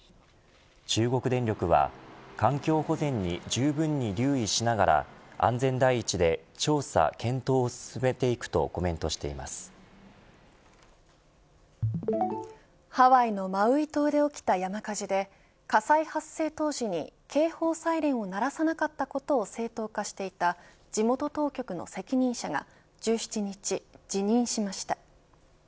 中国電力は環境保全にじゅうぶんに留意しながら安全第一で調査・検討を進めていくとハワイのマウイ島で起きた山火事で火災発生当時に警報サイレンを鳴らさなかったことを正当化していた地元当局の責任者が１７日、辞任しました。